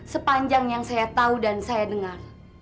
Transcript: sepanjang yang saya tahu dan saya dengar